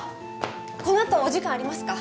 このあとお時間ありますか？